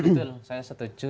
betul saya setuju